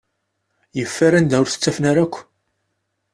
Yeffer anda ur t-ttafen ara akk.